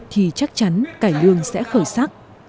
thì chắc chắn cái lương sẽ khởi sắc